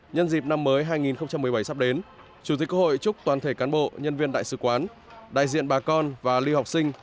nhân dịp năm mới hai nghìn một mươi bảy sắp đến chủ tịch quốc hội chúc toàn thể cán bộ nhân viên đại sứ quán đại diện bà con và lưu học sinh